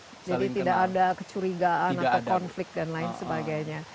jadi tidak ada kecurigaan atau konflik dan lain sebagainya